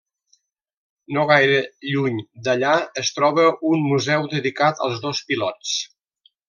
No gaire lluny d'allà es troba un museu dedicat als dos pilots.